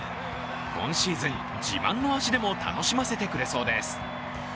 今シーズン、自慢の足でも楽しませてくれそうです。